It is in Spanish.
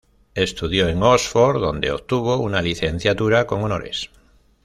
Estudió en Oxford, donde obtuvo una licenciatura con honores.